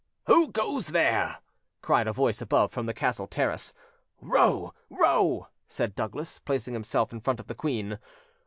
"Who goes there?" cried a voice above, from the castle terrace. "Row, row," said Douglas, placing himself in front of the queen.